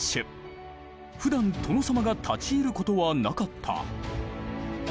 ふだん殿様が立ち入ることはなかった。